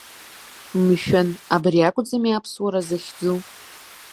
Мшәан, абри акәӡами Аԥсуара захьӡу?!